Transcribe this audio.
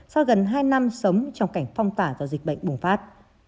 sau gần hai năm sống trong cảnh phong tỏa do dịch bệnh bùng phát